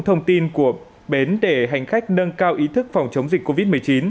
thông tin của bến để hành khách nâng cao ý thức phòng chống dịch covid một mươi chín